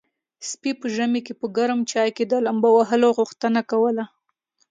سپي په ژمي کې په ګرم چای کې د لامبو وهلو غوښتنه کوله.